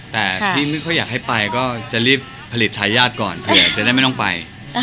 แต่ที่ไม่ค่อยอยากให้ไปก็จะรีบผลิตทายาทก่อนเผื่อจะได้ไม่ต้องไป